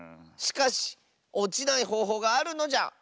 しかしおちないほうほうがあるのじゃ！